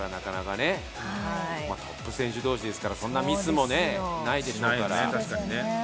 選手同士ですからミスもないでしょうから。